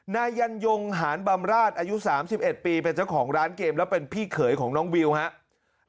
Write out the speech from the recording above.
นายยันยงหานบำราชอายุ๓๑ปีเป็นเจ้าของร้านเกมแล้วเป็นพี่เขยของน้องวิวครับ